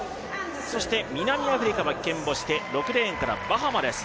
そして、南アフリカは棄権をして６レーンからバハマです。